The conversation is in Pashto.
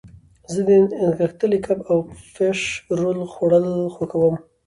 زه د نغښتلي کب او فش رول خوړل خوښوم.